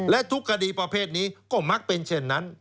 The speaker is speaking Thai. และทุกคดีประเภทนี้ก็มักเป็นเช่นนั้น